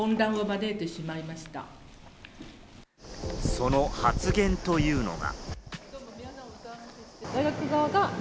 その発言というのが。